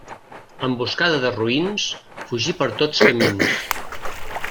A emboscada de roïns, fugir per tots camins.